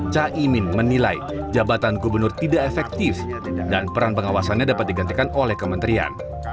caimin menilai jabatan gubernur tidak efektif dan peran pengawasannya dapat digantikan oleh kementerian